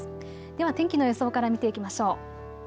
では天気の予想から見ていきましょう。